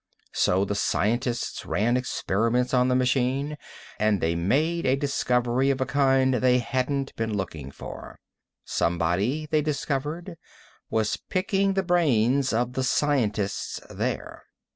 So, the scientists ran experiments on the machine, and they made a discovery of a kind they hadn't been looking for. Somebody, they discovered, was picking the brains of the scientists there.